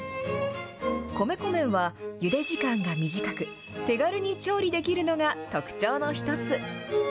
米粉麺はゆで時間が短く、手軽に調理できるのが特徴の一つ。